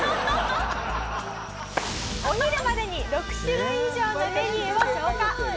「お昼までに６種類以上のメニューを消化」